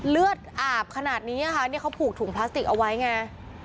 เลือดอาบขนาดนี้ค่ะเนี่ยเขาผูกถุงพลาสติกเอาไว้ไง